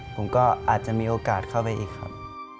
ผมก็อาจจะมีโอกาสเข้าไปอีกครับ